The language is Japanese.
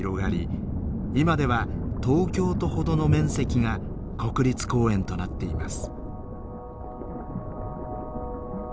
今では東京都ほどの面積が国立公園となっています。